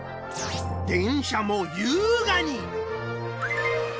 電車も優雅に！